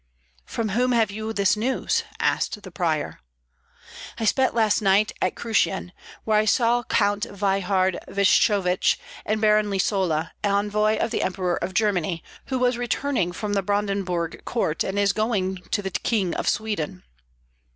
"From whom have you this news?" asked the prior. "I spent last night at Krushyn, where I saw Count Veyhard Vjeshchovich and Baron Lisola, envoy of the Emperor of Germany, who was returning from the Brandenburg court, and is going to the King of Sweden."